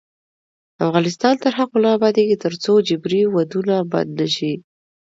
افغانستان تر هغو نه ابادیږي، ترڅو جبري ودونه بند نشي.